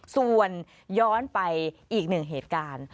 ส่วนย้อนไปอีกหนึ่งเหตุการณ์